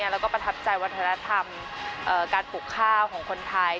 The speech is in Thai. แล้วก็ประทับใจวัฒนธรรมการปลูกข้าวของคนไทย